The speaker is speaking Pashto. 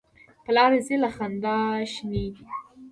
په لاره ځي له خندا شینې دي.